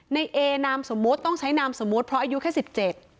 ในเอนามสมมติต้องใช้นามสมมติเพราะอายุแค่๑๗